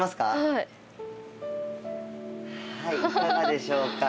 はいいかがでしょうか？